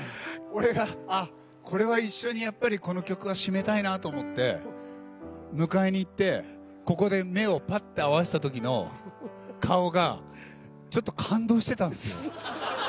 俺があっこれは一緒にやっぱりこの曲は締めたいなと思って迎えに行ってここで目をぱって合わせたときの顔がちょっと感動してたんですよ。